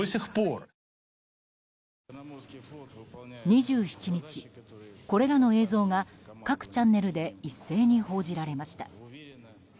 ２７日、これらの映像が各チャンネルで一斉に報じられました。